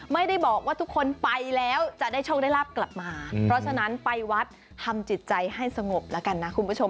ไม่ได้บอกว่าทุกคนไปแล้วจะได้โชคได้ลาบกลับมาเพราะฉะนั้นไปวัดทำจิตใจให้สงบแล้วกันนะคุณผู้ชม